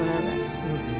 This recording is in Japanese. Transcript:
そうですね。